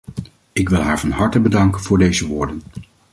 Ik wil haar van harte bedanken voor deze woorden.